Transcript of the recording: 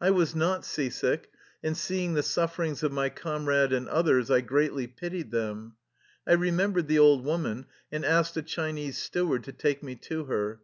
I was not sea sick, and seeing the sufferings of my comrade and others I greatly pitied them. I re membered the old woman, and asked a Chinese steward to take me to her.